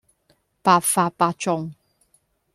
百發百中